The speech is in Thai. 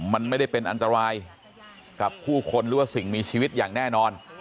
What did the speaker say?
มันไม่ได้เป็นอันตรายกับผู้คนหรือว่าสิ่งมีชีวิตอย่างแน่นอน